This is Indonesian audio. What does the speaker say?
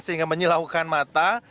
sehingga menyelaukan mata